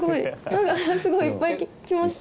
なんかすごいいっぱい来ました。